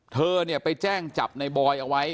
เธอเนี่ยไปแจ้งจับในบอยเอาไว้